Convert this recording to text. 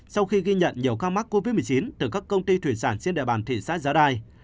sau khi ghi nhận nhiều ca mắc covid một mươi chín từ các công ty thủy sản trên địa bàn thị xã giá rai